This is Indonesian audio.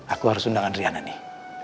aku harus undang adriana nih